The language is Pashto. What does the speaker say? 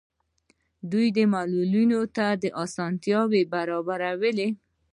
دوی معلولینو ته اسانتیاوې برابروي.